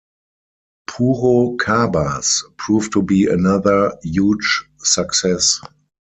"Puro Cabas" proved to be another huge success.